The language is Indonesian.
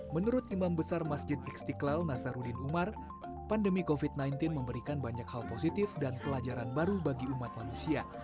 menurut imam besar masjid istiqlal nasaruddin umar pandemi covid sembilan belas memberikan banyak hal positif dan pelajaran baru bagi umat manusia